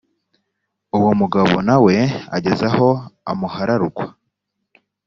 uwo mugabo na we ageze aho amuhararukwa,